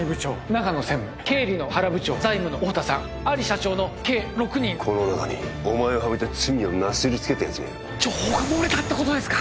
長野専務経理の原部長財務の太田さんアリ社長の計６人この中にお前をハメて罪をなすりつけたやつがいる情報が漏れたってことですか！？